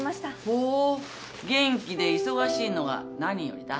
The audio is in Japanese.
ほう元気で忙しいのが何よりだ。